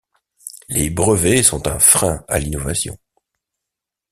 Les brevets sont un frein à l’innovation.